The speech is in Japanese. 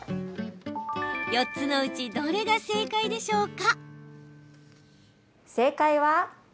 ４つのうちどれが正解でしょうか？